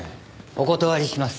お断りします。